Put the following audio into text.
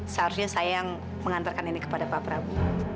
seharusnya saya yang mengantarkan ini kepada pak prabowo